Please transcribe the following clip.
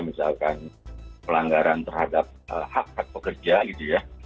misalkan pelanggaran terhadap hak hak pekerja gitu ya